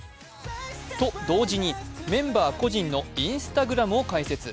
と同時にメンバー個人のＩｎｓｔａｇｒａｍを開設。